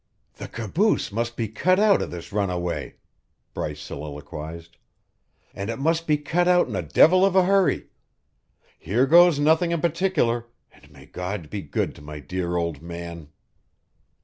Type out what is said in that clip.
"The caboose must be cut out of this runaway," Bryce soliloquized, "and it must be cut out in a devil of a hurry. Here goes nothing in particular, and may God be good to my dear old man."